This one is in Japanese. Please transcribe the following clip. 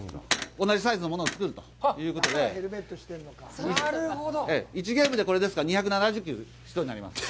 同じサイズのものを作るということで、１ゲームで２７０球となります。